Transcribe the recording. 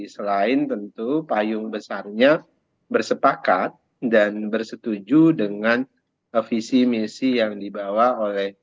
selain tentu payung besarnya bersepakat dan bersetuju dengan visi misi yang dibawa oleh